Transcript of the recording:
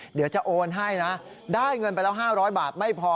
เดี๋ยวจะโอนให้นะได้เงินไปแล้ว๕๐๐บาทไม่พอ